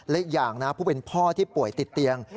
และอีกอย่างนะผู้เป็นพ่อที่ป่วยติดเตียง